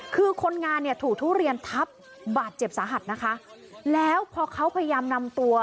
คือคนงานเนี่ยถูกทุเรียนทับบาดเจ็บสาหัสนะคะแล้วพอเขาพยายามนำตัว